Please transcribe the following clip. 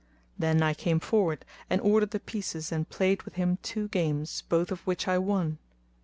Then I came forward and ordered the pieces and played with him two games, both of which I won.